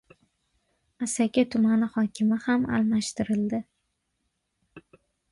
Asaka tumani hokimi ham almashtirildi